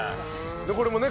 これもね